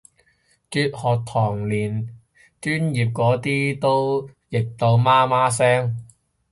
哲學堂連專業嗰啲都譯到媽媽聲